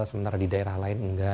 sementara di daerah lain enggak